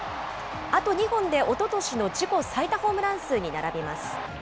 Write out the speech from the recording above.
あと２本でおととしの自己最多ホームラン数に並びます。